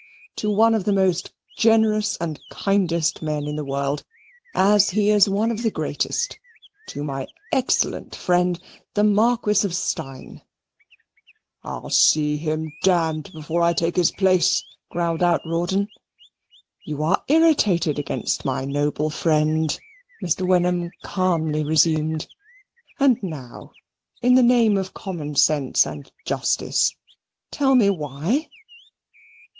"To one of the most generous and kindest men in the world, as he is one of the greatest to my excellent friend, the Marquis of Steyne." "I'll see him d before I take his place," growled out Rawdon. "You are irritated against my noble friend," Mr. Wenham calmly resumed; "and now, in the name of common sense and justice, tell me why?"